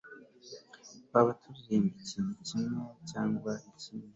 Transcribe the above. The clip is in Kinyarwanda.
Twaba turirimba ikintu kimwe cyangwa ikindi